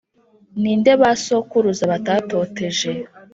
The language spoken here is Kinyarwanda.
Ni nde ba sokuruza batatoteje